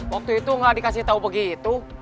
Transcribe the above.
waktu itu nggak dikasih tahu begitu